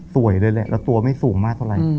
สวยเลยแหละแล้วตัวไม่สูงมากเท่าไหร่